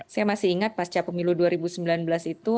saya masih ingat pasca pemilu dua ribu sembilan belas itu